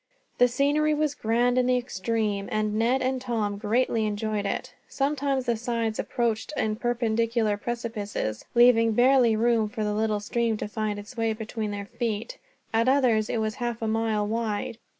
The scenery was grand in the extreme, and Ned and Tom greatly enjoyed it. Sometimes the sides approached in perpendicular precipices, leaving barely room for the little stream to find its way between their feet; at others it was half a mile wide.